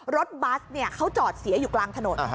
รถบัสเขาจอดเสียอยู่กลางถนน